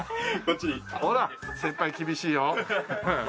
ほら先輩厳しいよ。